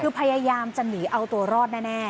คือพยายามจะหนีเอาตัวรอดแน่